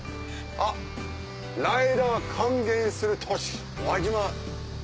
あっライダー歓迎する都市輪島。